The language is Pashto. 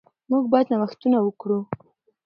موږ باید نوښتونه وکړو.